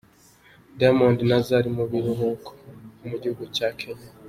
Diamond na Zari mu biruhuko mu gihugu cya Kenya.